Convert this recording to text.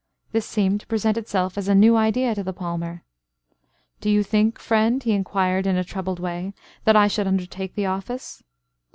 This seemed to present itself as a new idea to the palmer. "Do you think, friend," he enquired, in a troubled way, "that I should undertake the office?"